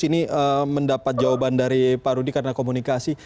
ini mendapat jawaban dari pak rudi karena komunikasi